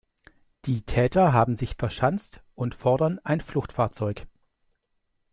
Die Täter haben sich verschanzt und fordern ein Fluchtfahrzeug.